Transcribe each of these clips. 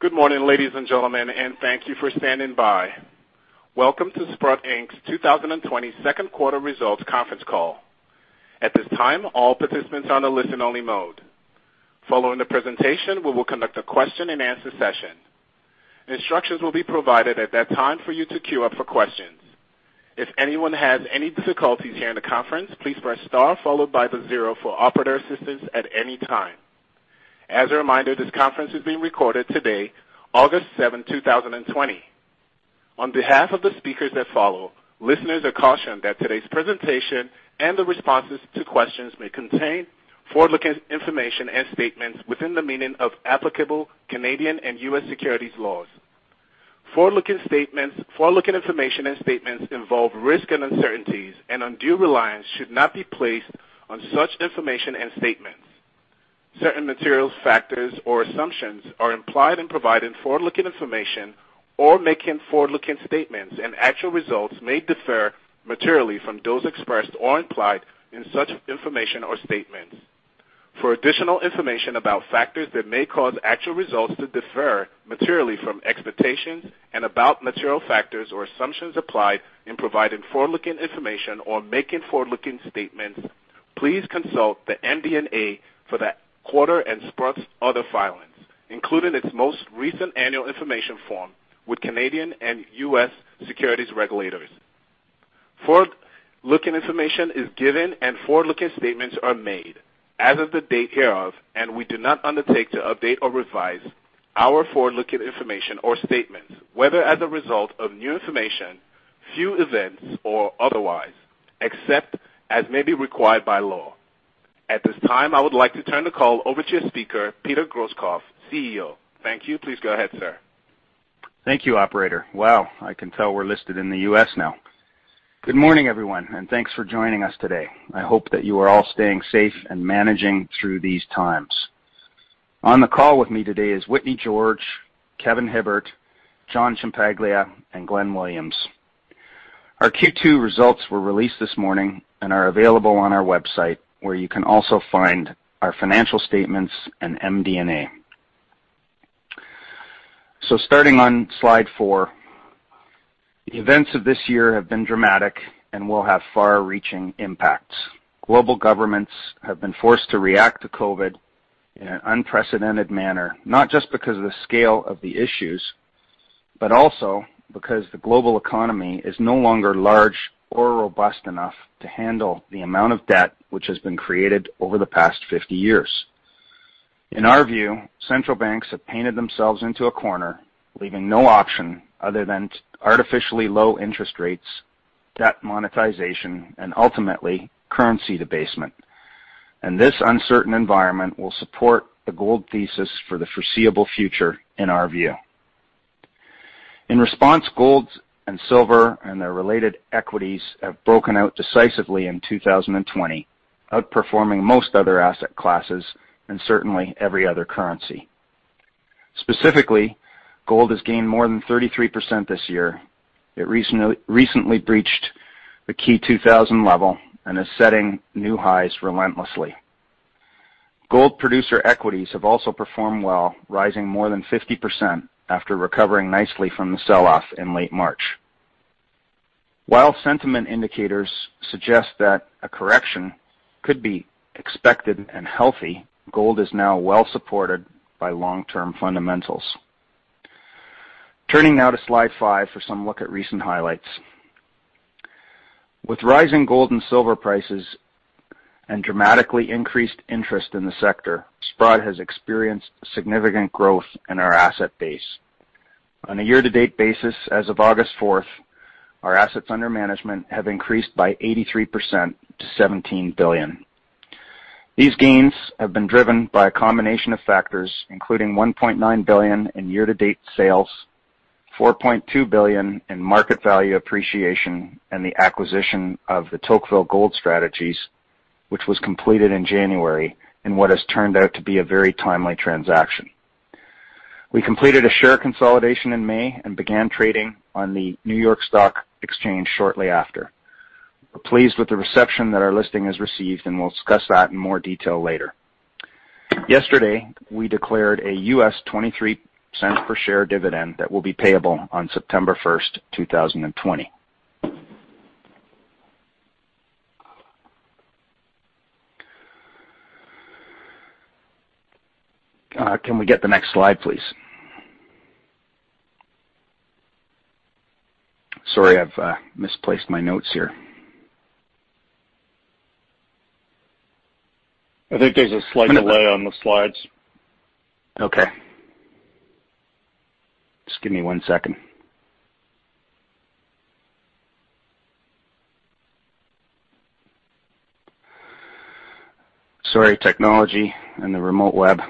Good morning, ladies and gentlemen, and thank you for standing by. Welcome to Sprott Inc.'s 2020 second quarter results conference call. At this time, all participants are on a listen-only mode. Following the presentation, we will conduct a question-and-answer session. Instructions will be provided at that time for you to queue up for questions. If anyone has any difficulties during the conference, please press star followed by the zero for operator assistance at any time. As a reminder, this conference is being recorded today, August 7th, 2020. On behalf of the speakers that follow, listeners are cautioned that today's presentation and the responses to questions may contain forward-looking information and statements within the meaning of applicable Canadian and U.S. securities laws. Forward-looking information and statements involve risks and uncertainties, undue reliance should not be placed on such information and statements. Certain material factors or assumptions are implied in providing forward-looking information or making forward-looking statements, and actual results may differ materially from those expressed or implied in such information or statements. For additional information about factors that may cause actual results to differ materially from expectations and about material factors or assumptions applied in providing forward-looking information or making forward-looking statements, please consult the MD&A for that quarter and Sprott's other filings, including its most recent annual information form with Canadian and U.S. securities regulators. Forward-looking information is given and forward-looking statements are made as of the date hereof, and we do not undertake to update or revise our forward-looking information or statements, whether as a result of new information, new events, or otherwise, except as may be required by law. At this time, I would like to turn the call over to a speaker, Peter Grosskopf, CEO. Thank you. Please go ahead, sir. Thank you, operator. Wow, I can tell we're listed in the U.S. now. Good morning, everyone, and thanks for joining us today. I hope that you are all staying safe and managing through these times. On the call with me today is Whitney George, Kevin Hibbert, John Ciampaglia, and Glen Williams. Our Q2 results were released this morning and are available on our website, where you can also find our financial statements and MD&A. Starting on slide four, the events of this year have been dramatic and will have far-reaching impacts. Global governments have been forced to react to COVID in an unprecedented manner, not just because of the scale of the issues, but also because the global economy is no longer large or robust enough to handle the amount of debt which has been created over the past 50 years. In our view, central banks have painted themselves into a corner, leaving no option other than artificially low interest rates, debt monetization, and ultimately, currency debasement. This uncertain environment will support the gold thesis for the foreseeable future, in our view. In response, gold and silver and their related equities have broken out decisively in 2020, outperforming most other asset classes and certainly every other currency. Specifically, gold has gained more than 33% this year. It recently breached the key 2,000 level and is setting new highs relentlessly. Gold producer equities have also performed well, rising more than 50% after recovering nicely from the sell-off in late March. While sentiment indicators suggest that a correction could be expected and healthy, gold is now well-supported by long-term fundamentals. Turning now to slide five for some look at recent highlights. With rising gold and silver prices and dramatically increased interest in the sector, Sprott has experienced significant growth in our asset base. On a year-to-date basis as of August 4th, our assets under management have increased by 83% to $17 billion. These gains have been driven by a combination of factors, including $1.9 billion in year-to-date sales, $4.2 billion in market value appreciation, and the acquisition of the Tocqueville Gold Strategies, which was completed in January in what has turned out to be a very timely transaction. We completed a share consolidation in May and began trading on the New York Stock Exchange shortly after. We're pleased with the reception that our listing has received, and we'll discuss that in more detail later. Yesterday, we declared a U.S. $0.23 per share dividend that will be payable on September 1st, 2020. Can we get the next slide, please? Sorry, I've misplaced my notes here. I think there's a slight delay on the slides. Just give me one second. Sorry, technology and the remote web.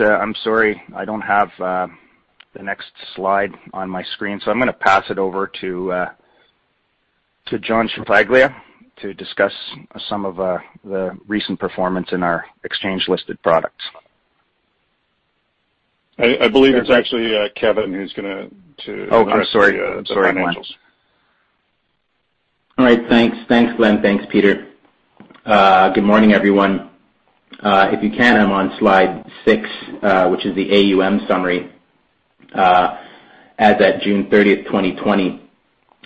I'm sorry, I don't have the next slide on my screen, so I'm going to pass it over to John Ciampaglia to discuss some of the recent performance in our exchange-listed products. I believe it's actually Kevin. Oh, okay. Sorry. Introduce the financials. All right, thanks Glen. Thanks, Peter. Good morning, everyone. If you can, I'm on slide six, which is the AUM summary as at June 30th, 2020.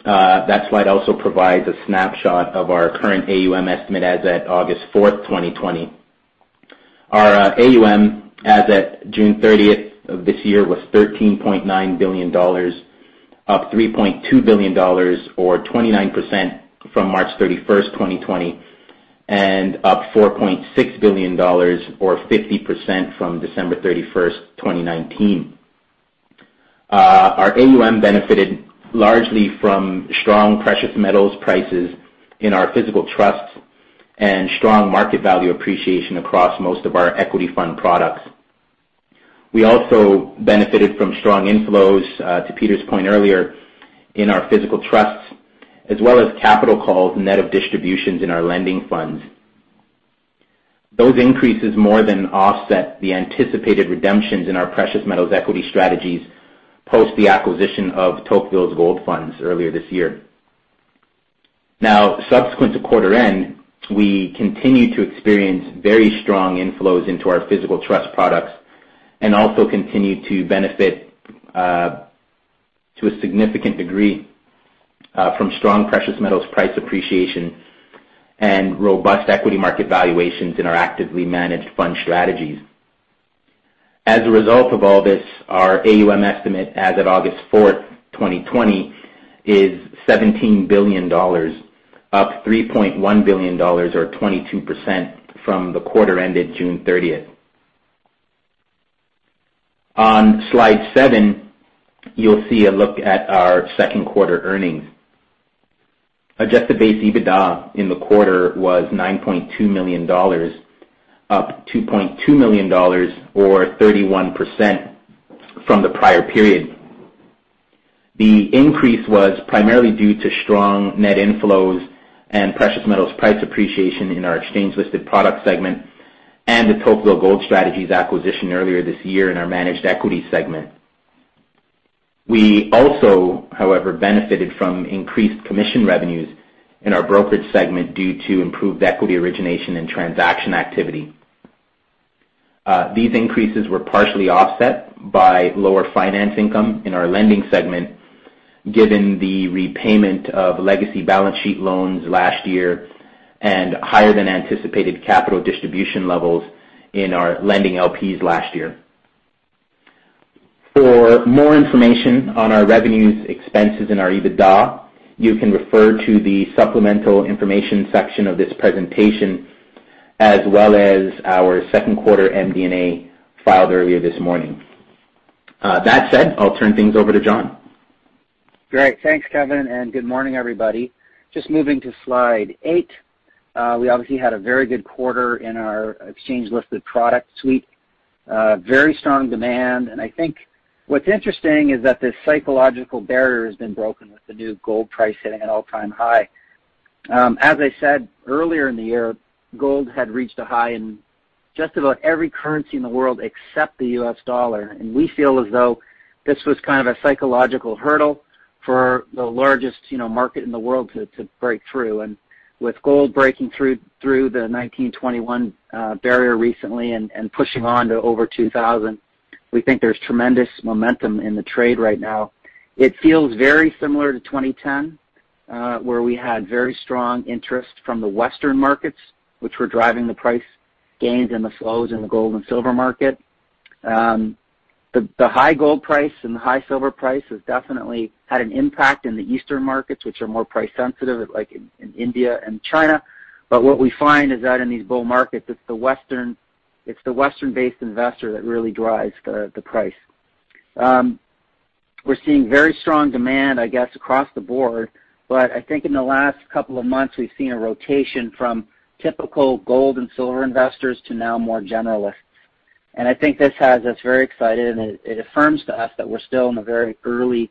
That slide also provides a snapshot of our current AUM estimate as at August 4th, 2020. Our AUM as at June 30th of this year was $13.9 billion, up $3.2 billion or 29% from March 31st, 2020, and up $4.6 billion or 50% from December 31st, 2019. Our AUM benefited largely from strong precious metals prices in our physical trusts and strong market value appreciation across most of our equity fund products. We also benefited from strong inflows, to Peter's point earlier, in our physical trusts, as well as capital calls net of distributions in our lending funds. Those increases more than offset the anticipated redemptions in our precious metals equity strategies post the acquisition of Tocqueville's gold strategies earlier this year. Subsequent to quarter end, we continue to experience very strong inflows into our physical trust products and also continue to benefit, to a significant degree, from strong precious metals price appreciation and robust equity market valuations in our actively managed fund strategies. As a result of all this, our AUM estimate as of August 4th, 2020, is $17 billion, up $3.1 billion or 22% from the quarter ended June 30th. On slide seven, you'll see a look at our second quarter earnings. Adjusted base EBITDA in the quarter was $9.2 million, up $2.2 million or 31% from the prior period. The increase was primarily due to strong net inflows and precious metals price appreciation in our exchange-listed product segment and the Tocqueville Gold Strategies acquisition earlier this year in our managed equity segment. We also, however, benefited from increased commission revenues in our brokerage segment due to improved equity origination and transaction activity. These increases were partially offset by lower finance income in our lending segment, given the repayment of legacy balance sheet loans last year and higher than anticipated capital distribution levels in our lending LPs last year. For more information on our revenues, expenses, and our EBITDA, you can refer to the supplemental information section of this presentation, as well as our second quarter MD&A filed earlier this morning. That said, I'll turn things over to John. Great. Thanks, Kevin, and good morning, everybody. Just moving to slide eight. We obviously had a very good quarter in our exchange-listed product suite. Very strong demand, and I think what's interesting is that this psychological barrier has been broken with the new gold price hitting an all-time high. As I said, earlier in the year, gold had reached a high in just about every currency in the world except the U.S. dollar, and we feel as though this was kind of a psychological hurdle for the largest market in the world to break through. With gold breaking through the 1,921 barrier recently and pushing on to over 2,000, we think there's tremendous momentum in the trade right now. It feels very similar to 2010, where we had very strong interest from the Western markets, which were driving the price gains and the flows in the gold and silver market. The high gold price and the high silver price has definitely had an impact in the Eastern markets, which are more price sensitive, like in India and China. What we find is that in these bull markets, it's the Western-based investor that really drives the price. We're seeing very strong demand, I guess, across the board. I think in the last couple of months, we've seen a rotation from typical gold and silver investors to now more generalists. I think this has us very excited, and it affirms to us that we're still in the very early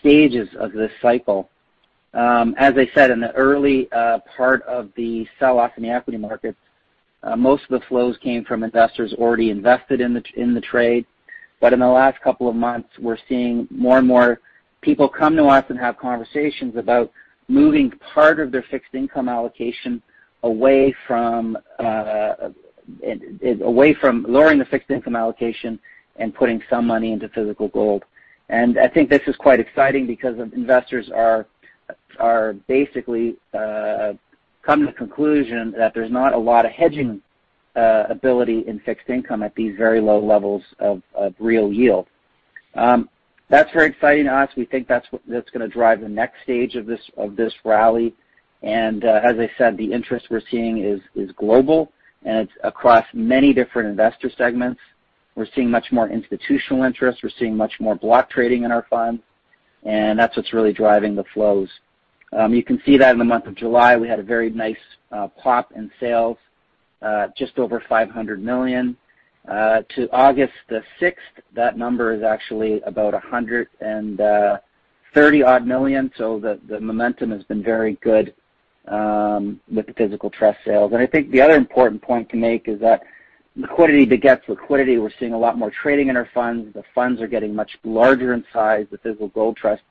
stages of this cycle. As I said, in the early part of the sell-off in the equity markets, most of the flows came from investors already invested in the trade. In the last couple of months, we're seeing more and more people come to us and have conversations about moving part of their fixed income allocation away from lowering the fixed income allocation and putting some money into physical gold. I think this is quite exciting because investors are basically coming to conclusion that there's not a lot of hedging ability in fixed income at these very low levels of real yield. That's very exciting to us. We think that's going to drive the next stage of this rally. As I said, the interest we're seeing is global, and it's across many different investor segments. We're seeing much more institutional interest. We're seeing much more block trading in our funds, and that's what's really driving the flows. You can see that in the month of July, we had a very nice pop in sales, just over $500 million. To August the 6th, that number is actually about $100. And $30 odd million. The momentum has been very good with the physical trust sales. I think the other important point to make is that liquidity begets liquidity. We're seeing a lot more trading in our funds. The funds are getting much larger in size. The physical gold trust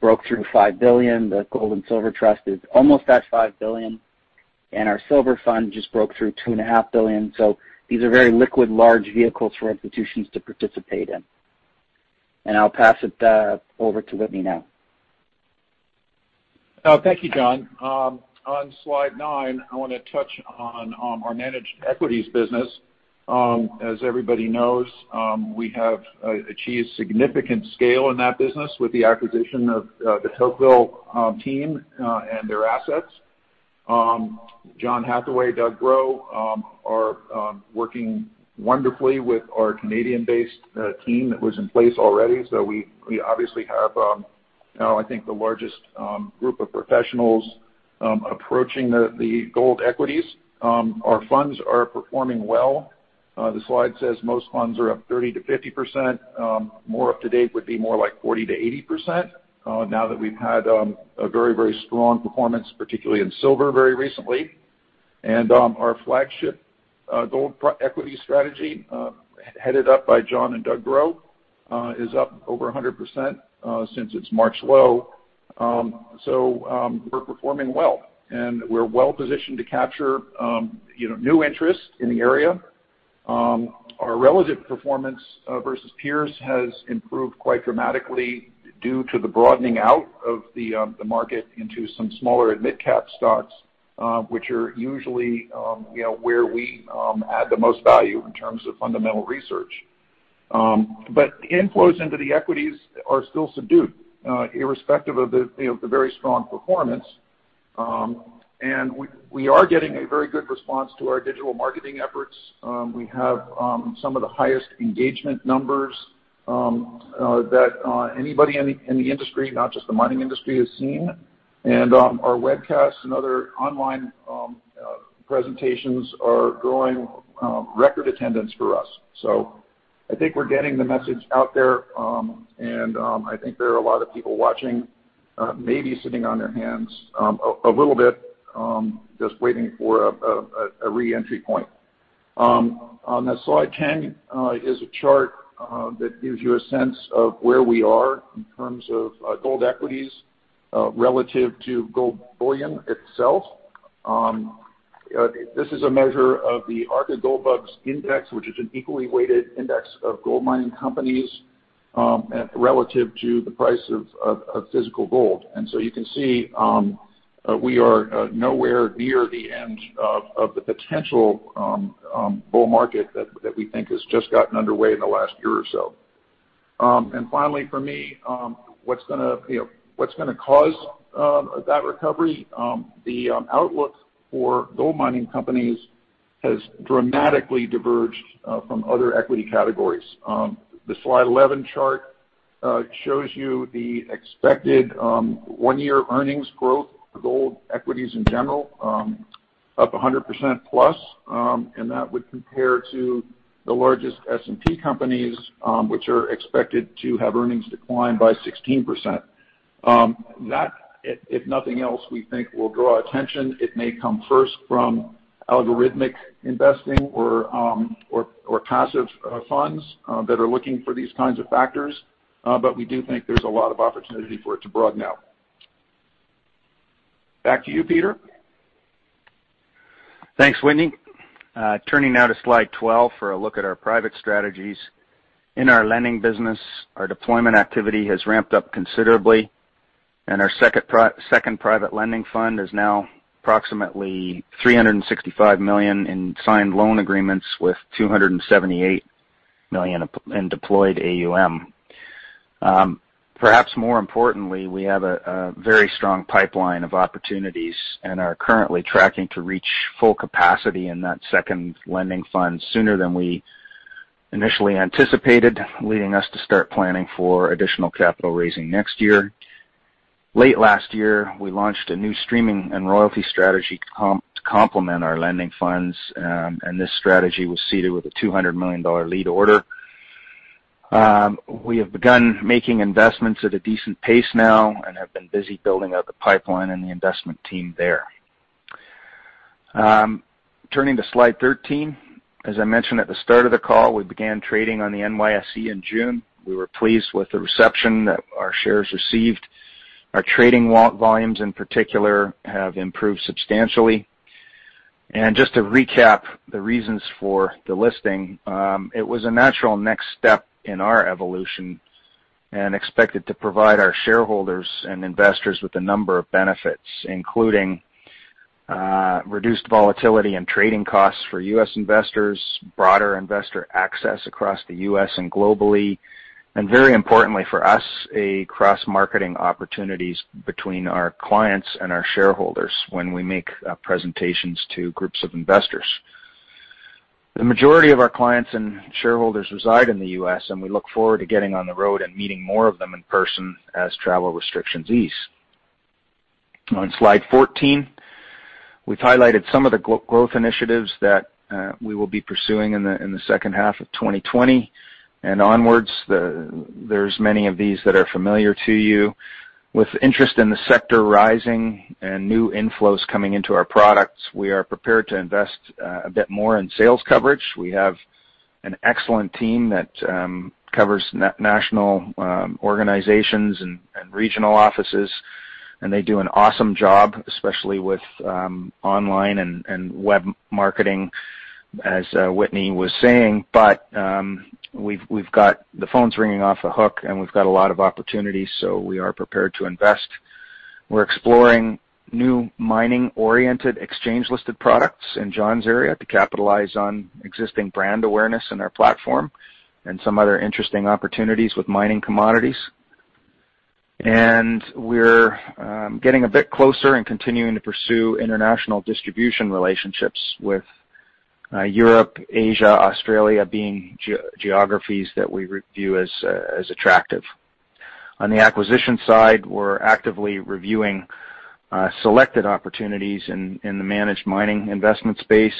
broke through $5 billion. The gold and silver trust is almost at $5 billion. Our silver fund just broke through $two and a half billion. These are very liquid, large vehicles for institutions to participate in. I'll pass it over to Whitney now. Thank you, John. On slide nine, I want to touch on our managed equities business. As everybody knows, we have achieved significant scale in that business with the acquisition of the [Hillville] team, and their assets. John Hathaway, Doug Groh, are working wonderfully with our Canadian-based team that was in place already. We obviously have now, I think, the largest group of professionals approaching the gold equities. Our funds are performing well. The slide says most funds are up 30%-50%. More up-to-date would be more like 40%-80%, now that we've had a very strong performance, particularly in silver very recently. Our flagship gold equity strategy, headed up by John and Doug Groh, is up over 100% since its March low. We're performing well, and we're well positioned to capture new interest in the area. Our relative performance versus peers has improved quite dramatically due to the broadening out of the market into some smaller and mid-cap stocks, which are usually where we add the most value in terms of fundamental research. Inflows into the equities are still subdued, irrespective of the very strong performance. We are getting a very good response to our digital marketing efforts. We have some of the highest engagement numbers that anybody in the industry, not just the mining industry, has seen. Our webcasts and other online presentations are drawing record attendance for us. I think we're getting the message out there, and I think there are a lot of people watching, maybe sitting on their hands a little bit, just waiting for a re-entry point. On slide ten is a chart that gives you a sense of where we are in terms of gold equities relative to gold bullion itself. This is a measure of the Arca Gold BUGS Index, which is an equally weighted index of gold mining companies relative to the price of physical gold. You can see we are nowhere near the end of the potential bull market that we think has just gotten underway in the last year or so. Finally from me, what's going to cause that recovery? The outlook for gold mining companies has dramatically diverged from other equity categories. The slide eleven chart shows you the expected one-year earnings growth for gold equities in general, up 100% plus, and that would compare to the largest S&P companies, which are expected to have earnings decline by 16%. That, if nothing else, we think will draw attention. It may come first from algorithmic investing or passive funds that are looking for these kinds of factors, but we do think there's a lot of opportunity for it to broaden out. Back to you, Peter. Thanks, Whitney. Turning now to slide 12 for a look at our private strategies. In our lending business, our deployment activity has ramped up considerably, and our second private lending fund is now approximately $365 million in signed loan agreements with $278 million in deployed AUM. Perhaps more importantly, we have a very strong pipeline of opportunities and are currently tracking to reach full capacity in that second lending fund sooner than we initially anticipated, leading us to start planning for additional capital raising next year. Late last year, we launched a new streaming and royalty strategy to complement our lending funds, and this strategy was seeded with a $200 million lead order. We have begun making investments at a decent pace now and have been busy building out the pipeline and the investment team there. Turning to slide 13. As I mentioned at the start of the call, we began trading on the NYSE in June. We were pleased with the reception that our shares received. Our trading volumes in particular have improved substantially. Just to recap the reasons for the listing, it was a natural next step in our evolution and expected to provide our shareholders and investors with a number of benefits, including reduced volatility and trading costs for U.S. investors, broader investor access across the U.S. and globally, and very importantly for us, a cross-marketing opportunities between our clients and our shareholders when we make presentations to groups of investors. The majority of our clients and shareholders reside in the U.S., and we look forward to getting on the road and meeting more of them in person as travel restrictions ease. On slide 14, we've highlighted some of the growth initiatives that we will be pursuing in the second half of 2020 and onwards. There's many of these that are familiar to you. With interest in the sector rising and new inflows coming into our products, we are prepared to invest a bit more in sales coverage. We have an excellent team that covers national organizations and regional offices, and they do an awesome job, especially with online and web marketing, as Whitney was saying. The phone's ringing off the hook, and we've got a lot of opportunities, so we are prepared to invest. We're exploring new mining-oriented exchange-listed products in John's area to capitalize on existing brand awareness in our platform and some other interesting opportunities with mining commodities. We're getting a bit closer and continuing to pursue international distribution relationships with Europe, Asia, Australia being geographies that we view as attractive. On the acquisition side, we're actively reviewing selected opportunities in the managed mining investment space.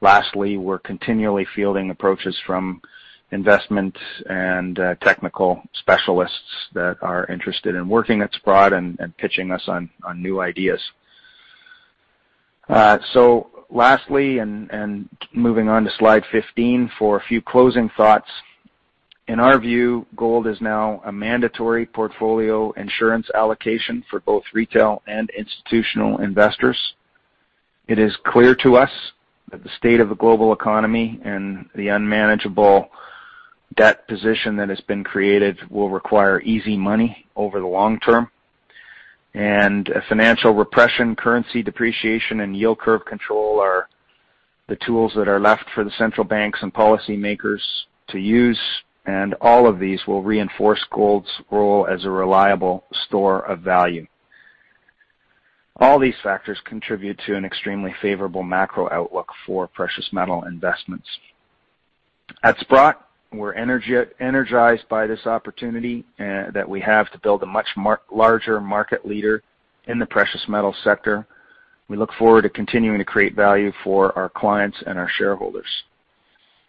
Lastly, we're continually fielding approaches from investment and technical specialists that are interested in working at Sprott and pitching us on new ideas. Lastly, and moving on to slide 15 for a few closing thoughts. In our view, gold is now a mandatory portfolio insurance allocation for both retail and institutional investors. It is clear to us that the state of the global economy and the unmanageable debt position that has been created will require easy money over the long term. Financial repression, currency depreciation, and yield curve control are the tools that are left for the central banks and policymakers to use, and all of these will reinforce gold's role as a reliable store of value. All these factors contribute to an extremely favorable macro outlook for precious metal investments. At Sprott, we're energized by this opportunity that we have to build a much larger market leader in the precious metal sector. We look forward to continuing to create value for our clients and our shareholders.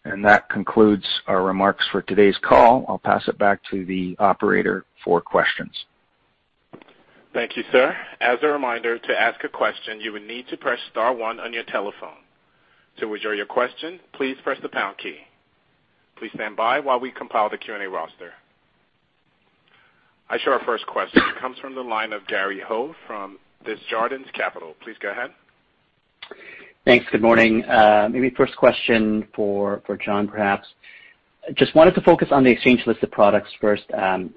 That concludes our remarks for today's call. I'll pass it back to the operator for questions. Thank you, sir. As a reminder, to ask a question, you will need to press star one on your telephone. To withdraw your question, please press the pound key. Please stand by while we compile the Q&A roster. I show our first question. It comes from the line of Gary Ho from Desjardins Capital. Please go ahead. Thanks. Good morning. Maybe first question for John, perhaps. Just wanted to focus on the exchange-listed products first.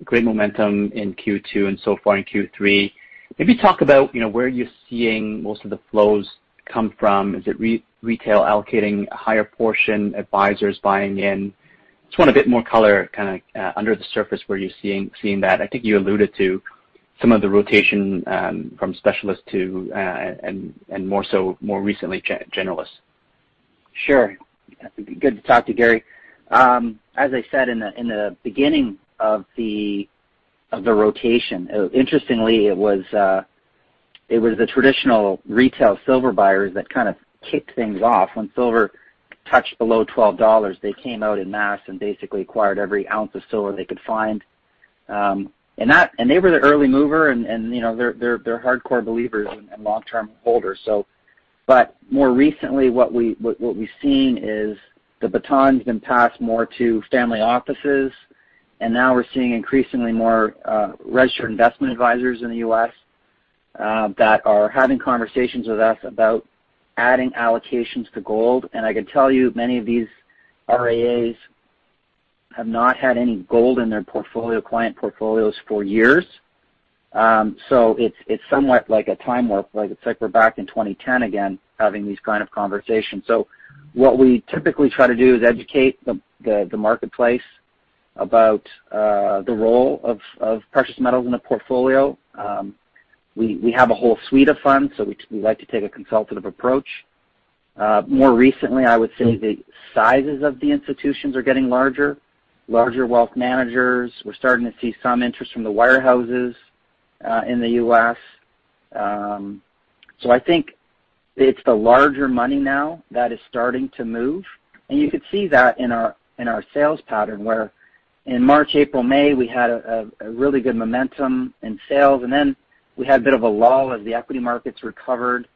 Great momentum in Q2 and so far in Q3. Maybe talk about where you're seeing most of the flows come from. Is it retail allocating a higher portion, advisors buying in? Just want a bit more color, kind of under the surface where you're seeing that. I think you alluded to some of the rotation from specialists to, and more so, more recently, generalists. Sure. Good to talk to, Gary. As I said in the beginning of the rotation, interestingly, it was the traditional retail silver buyers that kind of kicked things off. When silver touched below $12, they came out in mass and basically acquired every ounce of silver they could find. They were the early mover, and they're hardcore believers and long-term holders. More recently, what we've seen is the baton's been passed more to family offices, and now we're seeing increasingly more registered investment advisors in the U.S. that are having conversations with us about adding allocations to gold. I can tell you many of these RIAs have not had any gold in their client portfolios for years. It's somewhat like a time warp. It's like we're back in 2010 again, having these kind of conversations. What we typically try to do is educate the marketplace about the role of precious metals in a portfolio. We have a whole suite of funds, we like to take a consultative approach. More recently, I would say the sizes of the institutions are getting larger wealth managers. We are starting to see some interest from the wirehouses in the U.S. I think it's the larger money now that is starting to move, and you could see that in our sales pattern where in March, April, May, we had a really good momentum in sales, and then we had a bit of a lull as the equity markets recovered.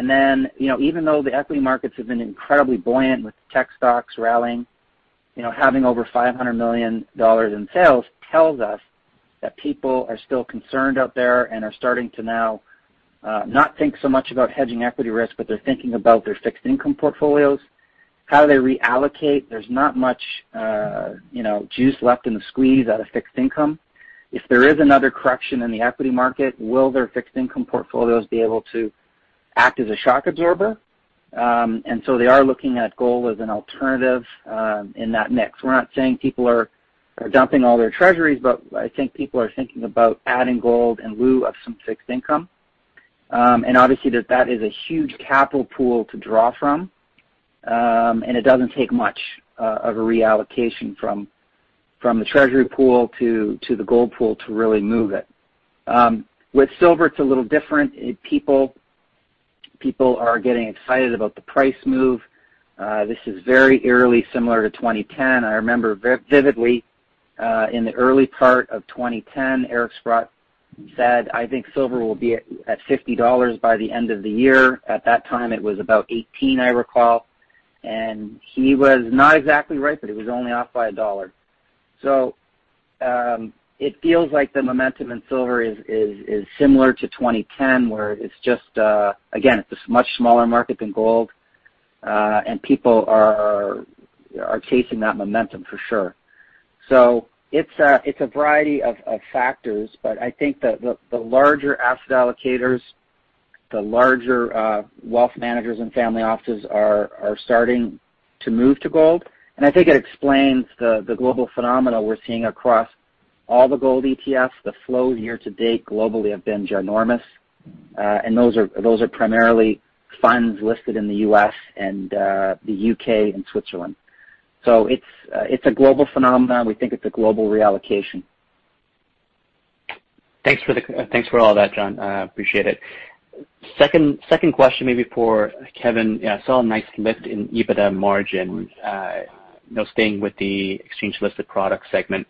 Even though the equity markets have been incredibly buoyant with tech stocks rallying, having over $500 million in sales tells us that people are still concerned out there and are starting to now not think so much about hedging equity risk, but they're thinking about their fixed income portfolios, how they reallocate. There's not much juice left in the squeeze out of fixed income. If there is another correction in the equity market, will their fixed income portfolios be able to act as a shock absorber? They are looking at gold as an alternative in that mix. We're not saying people are dumping all their treasuries, but I think people are thinking about adding gold in lieu of some fixed income. Obviously that is a huge capital pool to draw from, and it doesn't take much of a reallocation from the treasury pool to the gold pool to really move it. With silver, it's a little different. People are getting excited about the price move. This is very eerily similar to 2010. I remember very vividly, in the early part of 2010, Eric Sprott said, I think silver will be at $50 by the end of the year. At that time, it was about $18, I recall, and he was not exactly right, but it was only off by $1. It feels like the momentum in silver is similar to 2010, where it's just, again, it's a much smaller market than gold, and people are chasing that momentum for sure. It's a variety of factors, but I think the larger asset allocators, the larger wealth managers and family offices are starting to move to gold. I think it explains the global phenomena we're seeing across all the gold ETFs. The flow year to date globally have been ginormous. Those are primarily funds listed in the U.S. and the U.K., and Switzerland. It's a global phenomenon. We think it's a global reallocation. Thanks for all that, John. Appreciate it. Second question may be for Kevin. I saw a nice lift in EBITDA margins, staying with the exchange-listed product segment,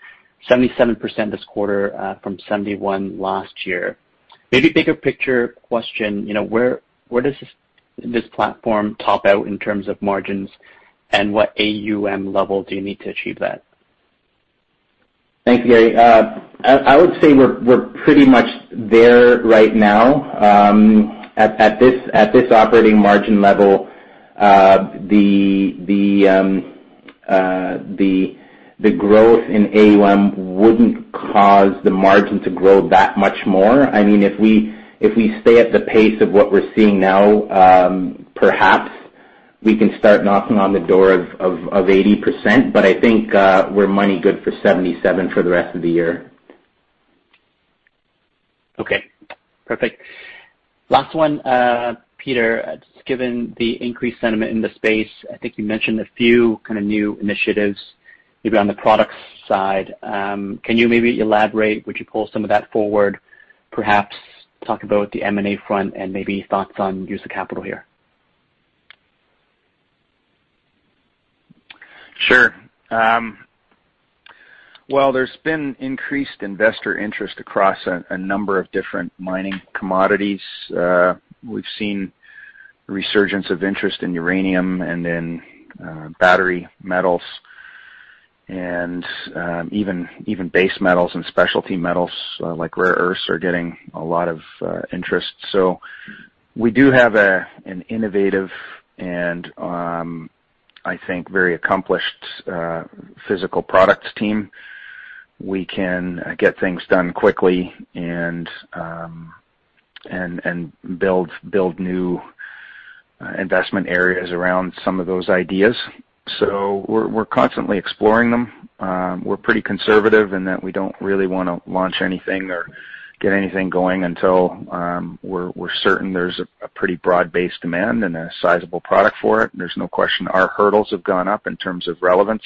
77% this quarter from 71 last year. Maybe bigger picture question, where does this platform top out in terms of margins, and what AUM level do you need to achieve that? Thank you, Gary. I would say we're pretty much there right now. At this operating margin level, the growth in AUM wouldn't cause the margin to grow that much more. If we stay at the pace of what we're seeing now, perhaps we can start knocking on the door of 80%, but I think we're money good for 77% for the rest of the year. Okay, perfect. Last one, Peter. Given the increased sentiment in the space, I think you mentioned a few kind of new initiatives, maybe on the product side. Can you maybe elaborate? Would you pull some of that forward, perhaps talk about the M&A front and maybe thoughts on use of capital here? Sure. Well, there's been increased investor interest across a number of different mining commodities. We've seen a resurgence of interest in uranium and in battery metals, and even base metals and specialty metals, like rare earths are getting a lot of interest. We do have an innovative and, I think, very accomplished physical products team. We can get things done quickly and build new investment areas around some of those ideas. We're constantly exploring them. We're pretty conservative in that we don't really want to launch anything or get anything going until we're certain there's a pretty broad-based demand and a sizable product for it. There's no question our hurdles have gone up in terms of relevance.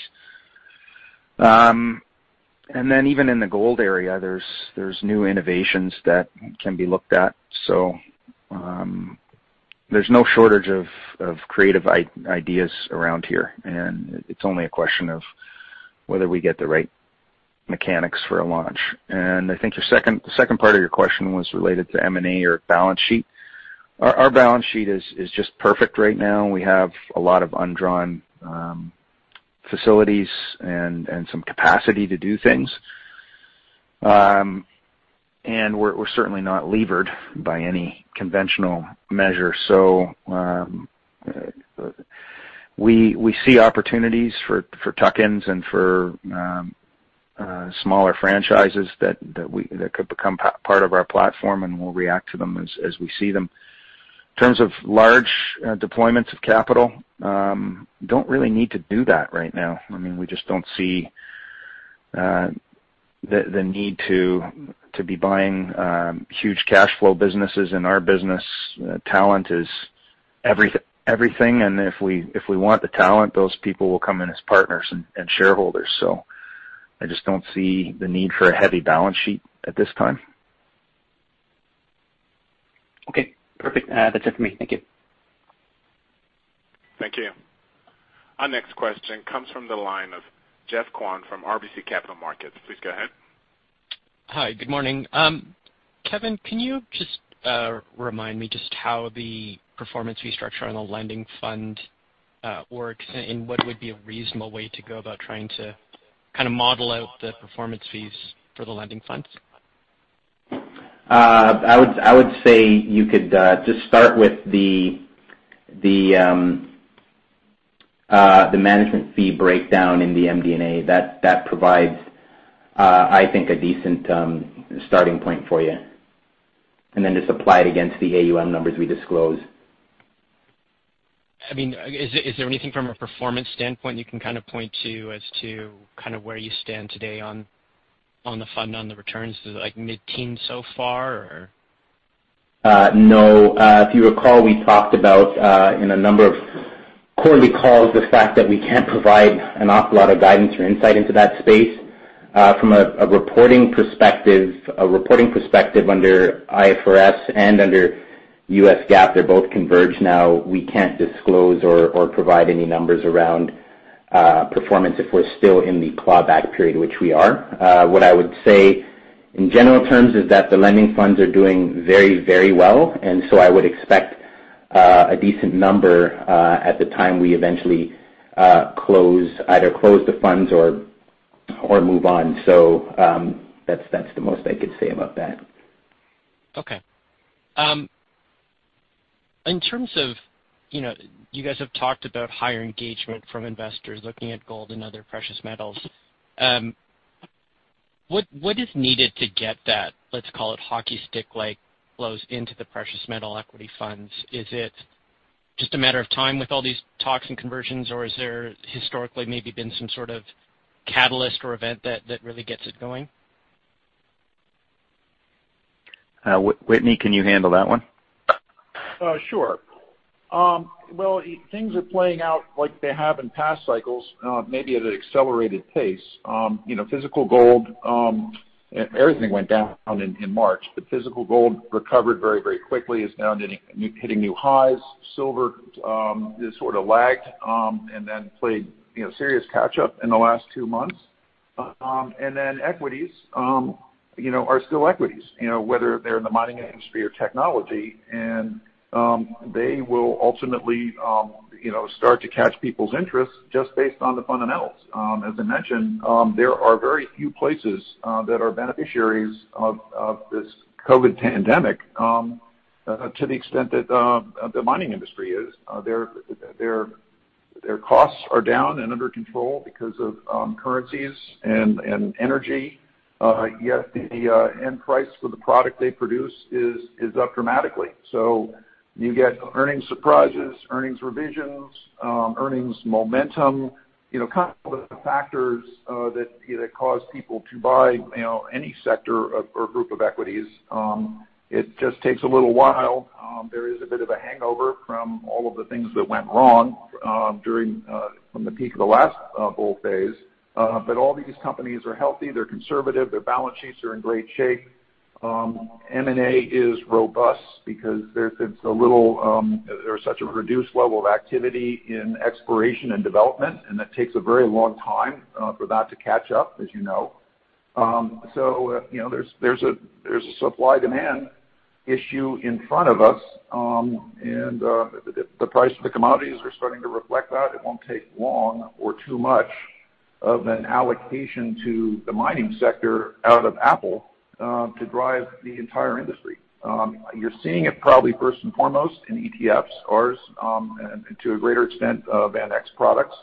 Even in the gold area, there's new innovations that can be looked at. There's no shortage of creative ideas around here, and it's only a question of whether we get the right mechanics for a launch. I think the second part of your question was related to M&A or balance sheet. Our balance sheet is just perfect right now. We have a lot of undrawn facilities and some capacity to do things. We're certainly not levered by any conventional measure. We see opportunities for tuck-ins and for smaller franchises that could become part of our platform, and we'll react to them as we see them. In terms of large deployments of capital, don't really need to do that right now. We just don't see the need to be buying huge cash flow businesses. In our business, talent is everything. If we want the talent, those people will come in as partners and shareholders. I just don't see the need for a heavy balance sheet at this time. Okay, perfect. That's it for me. Thank you. Thank you. Our next question comes from the line of Geoff Kwan from RBC Capital Markets. Please go ahead. Hi, good morning. Kevin, can you just remind me just how the performance fee structure on the lending fund works and what would be a reasonable way to go about trying to kind of model out the performance fees for the lending funds? I would say you could just start with the management fee breakdown in the MD&A. That provides, I think, a decent starting point for you. Then just apply it against the AUM numbers we disclose. Is there anything from a performance standpoint you can kind of point to as to kind of where you stand today on the fund, on the returns? Is it like mid-teens so far or? No. If you recall, we talked about, in a number of quarterly calls, the fact that we can't provide an awful lot of guidance or insight into that space. From a reporting perspective under IFRS and under U.S. GAAP, they're both converged now. We can't disclose or provide any numbers around performance if we're still in the clawback period, which we are. What I would say, in general terms, is that the lending funds are doing very well, and so I would expect a decent number at the time we eventually either close the funds or move on. That's the most I could say about that. Okay. In terms of, you guys have talked about higher engagement from investors looking at gold and other precious metals. What is needed to get that, let's call it hockey stick-like flows into the precious metal equity funds? Is it just a matter of time with all these talks and conversions, or is there historically maybe been some sort of catalyst or event that really gets it going? Whitney, can you handle that one? Sure. Well, things are playing out like they have in past cycles maybe at an accelerated pace. Physical gold, everything went down in March, but physical gold recovered very quickly, is now hitting new highs. Silver is sort of lagged, and then played serious catch up in the last two months. Equities, are still equities, whether they're in the mining industry or technology. They will ultimately start to catch people's interest just based on the fundamentals. As I mentioned, there are very few places that are beneficiaries of this COVID pandemic, to the extent that the mining industry is. Their costs are down and under control because of currencies and energy. Yet the end price for the product they produce is up dramatically. You get earnings surprises, earnings revisions, earnings momentum, kind of the factors that cause people to buy any sector or group of equities. It just takes a little while. There is a bit of a hangover from all of the things that went wrong from the peak of the last bull phase. All these companies are healthy, they're conservative, their balance sheets are in great shape. M&A is robust because there is such a reduced level of activity in exploration and development, and that takes a very long time for that to catch up, as you know. There's a supply-demand issue in front of us. The price of the commodities are starting to reflect that. It won't take long or too much of an allocation to the mining sector out of Apple, to drive the entire industry. You're seeing it probably first and foremost in ETFs, ours, and to a greater extent, VanEck's products.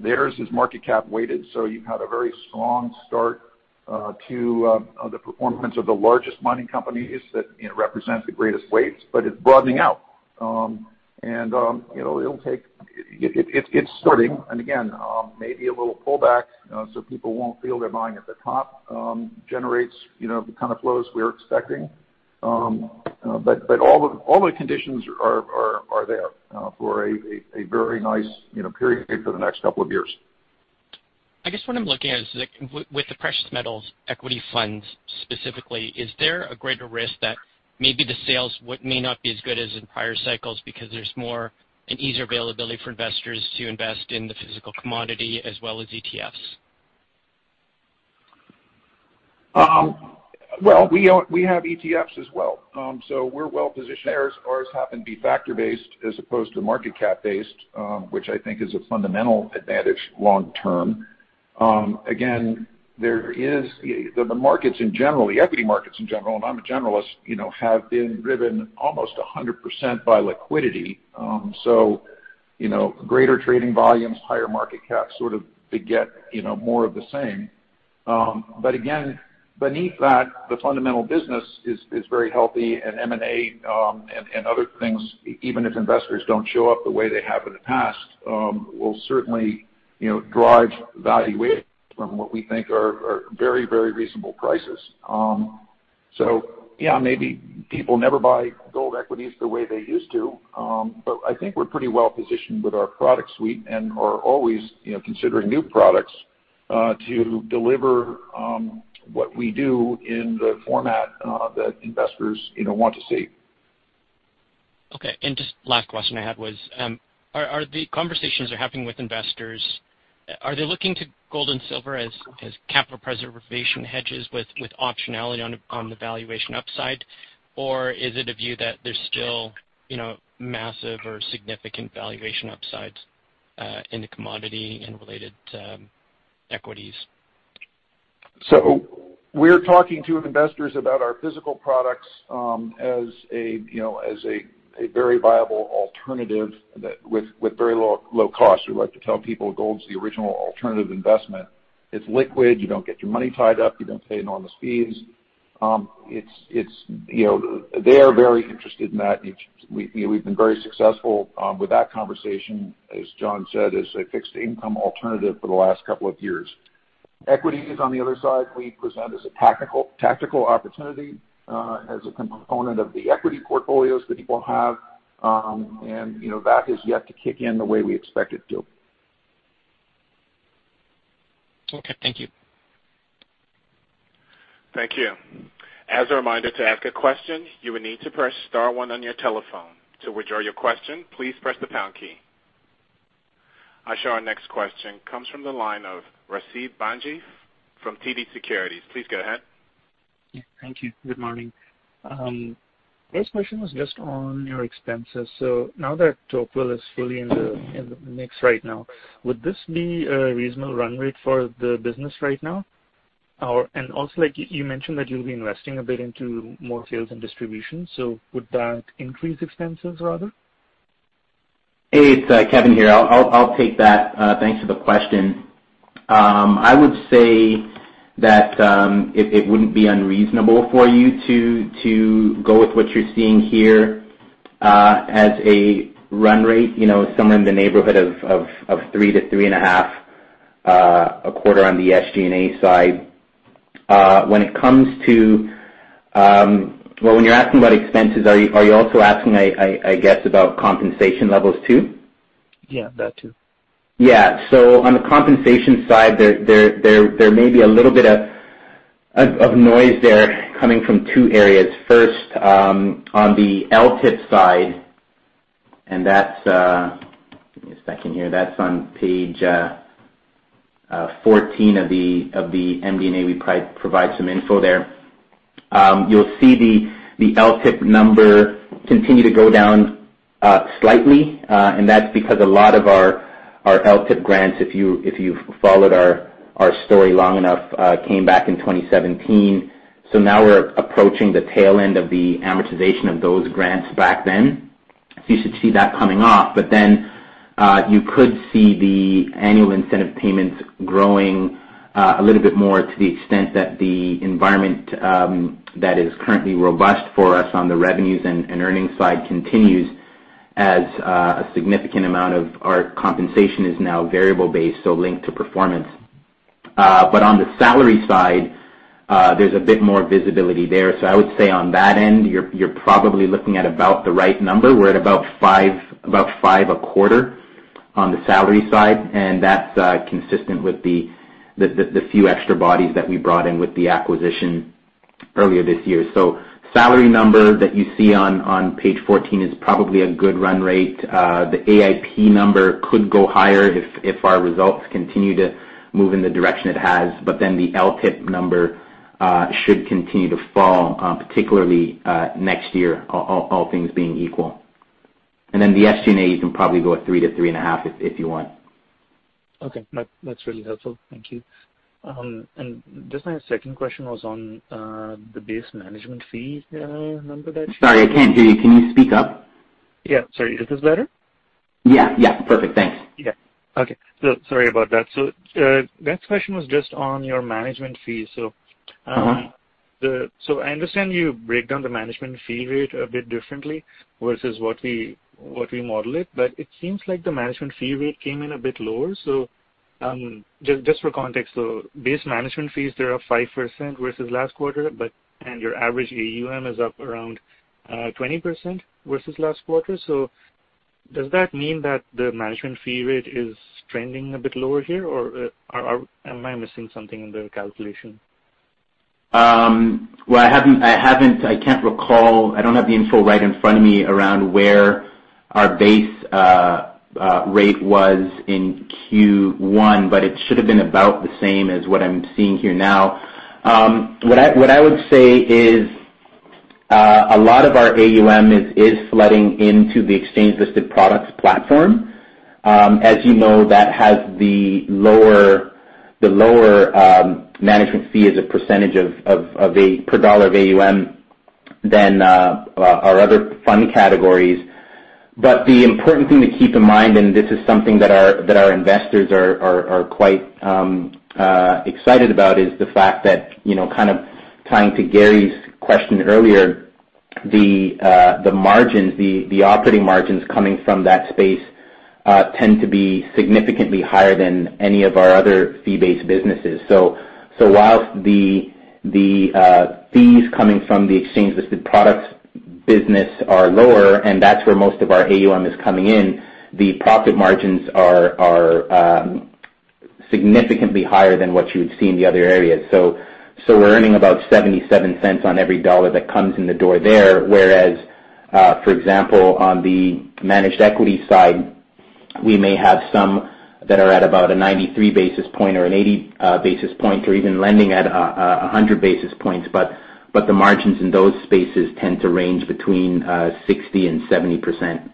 Theirs is market cap weighted, you've had a very strong start to the performance of the largest mining companies that represent the greatest weights, but it's broadening out. It's starting, again, maybe a little pullback, people won't feel they're buying at the top, generates the kind of flows we're expecting. All the conditions are there for a very nice period for the next couple of years. I guess what I'm looking at is with the precious metals equity funds specifically, is there a greater risk that maybe the sales may not be as good as in prior cycles because there's more an easier availability for investors to invest in the physical commodity as well as ETFs? We have ETFs as well. We're well positioned there as ours happen to be factor based as opposed to market cap based, which I think is a fundamental advantage long term. The markets in general, the equity markets in general, and I'm a generalist, have been driven almost 100% by liquidity. Greater trading volumes, higher market caps sort of beget more of the same. Again, beneath that, the fundamental business is very healthy and M&A, and other things, even if investors don't show up the way they have in the past, will certainly drive value away from what we think are very reasonable prices. Yeah, maybe people never buy gold equities the way they used to, but I think we're pretty well positioned with our product suite and are always considering new products to deliver what we do in the format that investors want to see. Just last question I had was, are the conversations you're having with investors, are they looking to gold and silver as capital preservation hedges with optionality on the valuation upside? Is it a view that there's still massive or significant valuation upsides in the commodity and related equities? We're talking to investors about our physical products as a very viable alternative with very low cost. We like to tell people gold's the original alternative investment. It's liquid. You don't get your money tied up. You don't pay enormous fees. They are very interested in that. We've been very successful with that conversation, as John said, as a fixed income alternative for the last couple of years. Equities on the other side, we present as a tactical opportunity, as a component of the equity portfolios that people have. That has yet to kick in the way we expect it to. Okay, thank you. Thank you. As a reminder, to ask a question, you will need to press star one on your telephone. To withdraw your question, please press the pound key. I show our next question comes from the line of Abeed Ramji from TD Securities. Please go ahead. Yeah, thank you. Good morning. First question was just on your expenses. Now that Tocqueville is fully in the mix right now, would this be a reasonable run rate for the business right now? Also, you mentioned that you'll be investing a bit into more sales and distribution, so would that increase expenses rather? Hey, it's Kevin here. I'll take that. Thanks for the question. I would say that it wouldn't be unreasonable for you to go with what you're seeing here as a run rate, somewhere in the neighborhood of $3-$3.5 a quarter on the SG&A side. When you're asking about expenses, are you also asking, I guess about compensation levels too? Yeah, that too. Yeah. On the compensation side, there may be a little bit of noise there coming from two areas. First, on the LTIP side, give me a second here, that's on page 14 of the MD&A, we provide some info there. You'll see the LTIP number continue to go down slightly. That's because a lot of our LTIP grants, if you've followed our story long enough, came back in 2017. Now we're approaching the tail end of the amortization of those grants back then. You should see that coming off. You could see the annual incentive payments growing a little bit more to the extent that the environment that is currently robust for us on the revenues and earnings side continues as a significant amount of our compensation is now variable-based, so linked to performance. On the salary side, there's a bit more visibility there. I would say on that end, you're probably looking at about the right number. We're at about $5 a quarter on the salary side, and that's consistent with the few extra bodies that we brought in with the acquisition earlier this year. The salary number that you see on page 14 is probably a good run rate. The AIP number could go higher if our results continue to move in the direction it has. The LTIP number should continue to fall, particularly next year, all things being equal. The SG&A, you can probably go at $3-$3.5 if you want. Okay. That's really helpful. Thank you. Just my second question was on the base management fee number. Sorry, I can't hear you. Can you speak up? Yeah. Sorry. Is this better? Yeah. Perfect. Thanks. Okay. Sorry about that. Next question was just on your management fees. I understand you break down the management fee rate a bit differently versus what we model it, but it seems like the management fee rate came in a bit lower. Just for context, so base management fees there are 5% versus last quarter, and your average AUM is up around 20% versus last quarter. Does that mean that the management fee rate is trending a bit lower here, or am I missing something in the calculation? Well, I can't recall. I don't have the info right in front of me around where our base rate was in Q1, but it should have been about the same as what I'm seeing here now. What I would say is a lot of our AUM is flooding into the exchange-listed products platform. As you know, that has the lower management fee as a percentage per dollar of AUM than our other fund categories. The important thing to keep in mind, and this is something that our investors are quite excited about, is the fact that, kind of tying to Gary's question earlier, the operating margins coming from that space tend to be significantly higher than any of our other fee-based businesses. Whilst the fees coming from the exchange-listed products business are lower, and that's where most of our AUM is coming in, the profit margins are significantly higher than what you would see in the other areas. We're earning about $0.77 on every dollar that comes in the door there, whereas, for example, on the managed equity side, we may have some that are at about a 93 basis point or an 80 basis point or even lending at 100 basis points, but the margins in those spaces tend to range between 60% and 70%.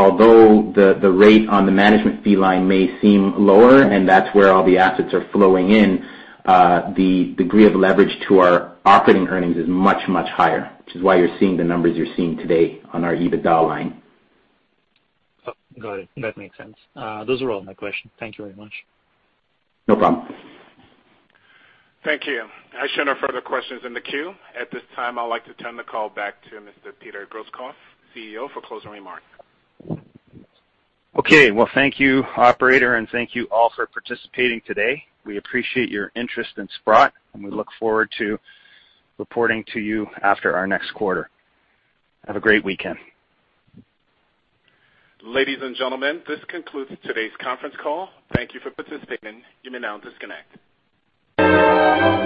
Although the rate on the management fee line may seem lower, and that's where all the assets are flowing in, the degree of leverage to our operating earnings is much, much higher, which is why you're seeing the numbers you're seeing today on our EBITDA line. Got it. That makes sense. Those are all my questions. Thank you very much. No problem. Thank you. I show no further questions in the queue. At this time, I'd like to turn the call back to Mr. Peter Grosskopf, CEO, for closing remarks. Okay, well, thank you, operator. Thank you all for participating today. We appreciate your interest in Sprott. We look forward to reporting to you after our next quarter. Have a great weekend. Ladies and gentlemen, this concludes today's conference call. Thank you for participating. You may now disconnect.